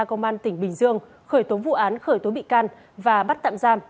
công an tỉnh bình dương khởi tố vụ án khởi tố bị can và bắt tạm giam